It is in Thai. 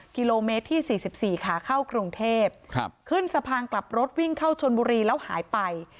กิโลเมตรที่สี่สิบสี่ค่ะเข้ากรุงเทพครับขึ้นสะพางกลับรถวิ่งเข้าชนบุรีแล้วหายไป